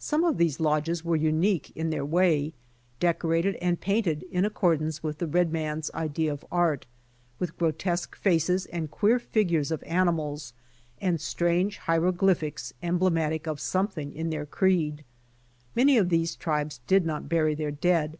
Some of these lodges were unique in their way, decorated and painted in accordance with the red man's idea of art, with grotesque faces and queer figures of animals, and strange hieroglyphics emblem atic of something in their creed. Many of these tribes did not bury their dead.